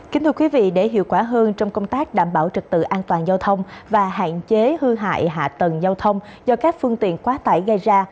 kính thưa quý vị để hiệu quả hơn trong công tác đảm bảo trực tự an toàn giao thông và hạn chế hư hại hạ tầng giao thông do các phương tiện quá tải gây ra